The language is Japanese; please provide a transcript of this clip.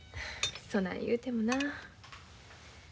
そない言うてもなあ。